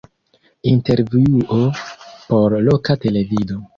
Intervjuo por loka televido.